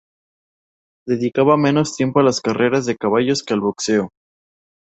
Dedicaba menos tiempo a las carreras de caballos que al boxeo.